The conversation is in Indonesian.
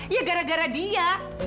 ya gara gara dia